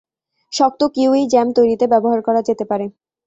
শক্ত kiwi jam তৈরিতে ব্যবহার করা যেতে পারে।